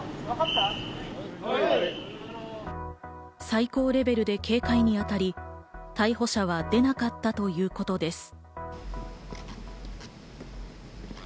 最高レベルで警戒に当たり、逮捕者は出なかったということです。